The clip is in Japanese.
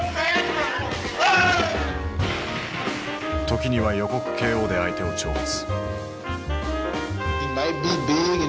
時には予告ＫＯで相手を挑発。